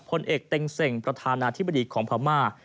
พลเอกเต็งเส่งประธานาธิบดีของพม่า